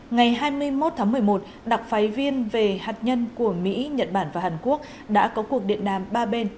ngày hai mươi một tháng một mươi một đặc phái viên về hạt nhân của mỹ nhật bản và hàn quốc đã có cuộc điện đàm ba bên